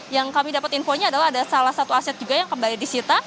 yang kami dapat infonya adalah ada salah satu aset juga yang kembali disita